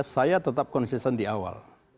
saya tetap konsisten di awal